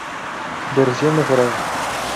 Versión mejorada.